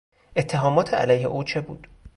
اتهامات علیه او چه بود؟